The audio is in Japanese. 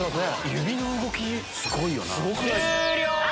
指の動きすごいよな。